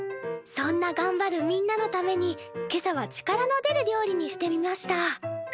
そんながんばるみんなのために今朝は力の出る料理にしてみました。